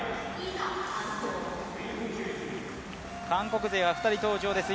韓国勢は２人登場です。